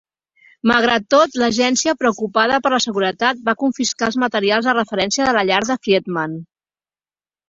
Malgrat tot, l'Agència, preocupada per la seguretat, va confiscar els materials de referència de la llar de Friedman.